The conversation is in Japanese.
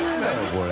これ。